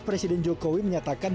presiden jokowi menyatakan